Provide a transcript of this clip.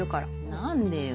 何でよ？